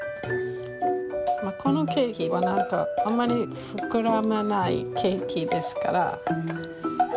このケーキは何かあんまり膨らまないケーキですから。